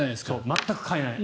全く買えない。